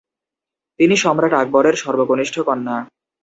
তিনি সম্রাট আকবরের সর্বকনিষ্ঠ কন্যা।